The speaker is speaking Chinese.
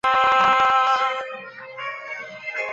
张敬安是中国共产党党员。